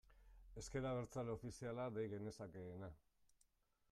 Ezker Abertzale ofiziala dei genezakeena.